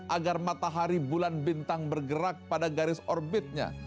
agar matahari bulan bintang bergerak pada garis orbitnya